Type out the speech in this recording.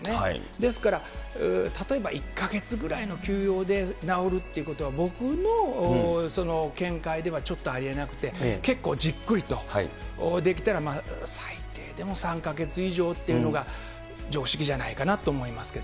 ですから、例えば１か月くらいの休養で治るっていうことは、僕の見解ではちょっとありえなくて、結構じっくりと、できたら最低でも３か月以上っていうのが常識じゃないかなと思いますけど。